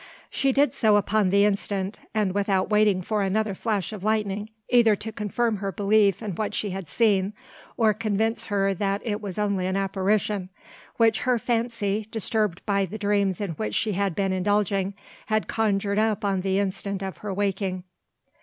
She did so upon the instant, and without waiting for another flash of lightning either to confirm her belief in what she had seen, or convince her that it was only an apparition, which her fancy, disturbed by the dreams in which she had been indulging, had conjured up on the instant of her awaking.